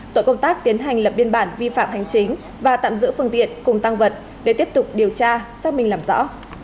tội công tác tiến hành lập biên bản vi phạm hành chính và tạm giữ phương tiện cùng tăng vật để tiếp tục điều tra xác minh làm rõ